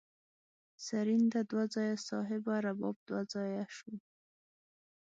سرینده دوه ځایه صاحبه رباب دوه ځایه شو.